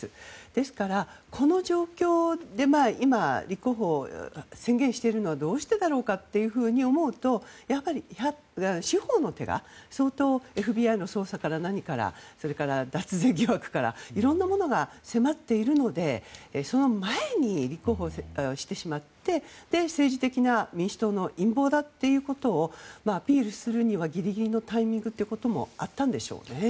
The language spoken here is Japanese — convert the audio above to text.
ですから、この状況で今、立候補を宣言しているのはどうしてだろうかというふうに思うと司法の手が、相当ＦＢＩの捜査から何からそれから脱税疑惑からいろんなものが迫っているのでその前に立候補してしまって政治的な民主党の陰謀だということをアピールするにはギリギリのタイミングということもあったんでしょうね。